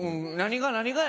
何が？